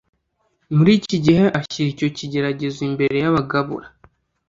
muri iki gihe ashyira icyo kigeragezo imbere y’abagabura.